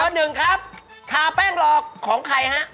หมายเลข๑ครับทาแป้งรอของใครฮะ